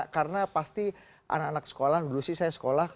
karena pasti anak anak sekolah dulu sih saya sekolah